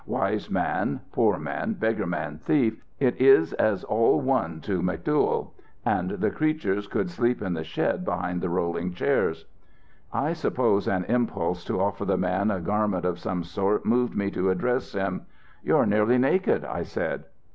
Wise man, poor man, beggar man, thief, it as all one to McDuyal. And the creatures could sleep in the shed behind the rolling chairs. "I suppose an impulse to offer the man a garment of some sort moved me to address him. 'You're nearly naked,' I said.